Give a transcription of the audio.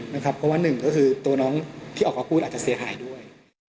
เพราะว่าหนึ่งก็คือตัวน้องที่ออกมาพูดอาจจะเสียหายด้วย